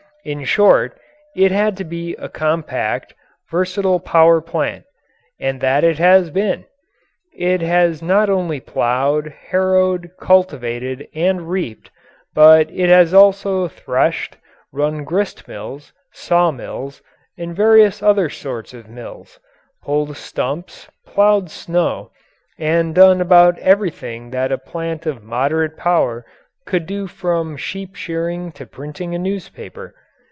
In short, it had to be a compact, versatile power plant. And that it has been. It has not only ploughed, harrowed, cultivated, and reaped, but it has also threshed, run grist mills, saw mills, and various other sorts of mills, pulled stumps, ploughed snow, and done about everything that a plant of moderate power could do from sheep shearing to printing a newspaper.